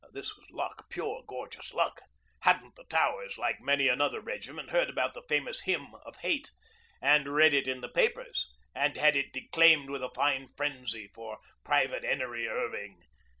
This was luck, pure gorgeous luck. Hadn't the Towers, like many another regiment, heard about the famous 'Hymn of Hate,' and read it in the papers, and had it declaimed with a fine frenzy by Private 'Enery Irving?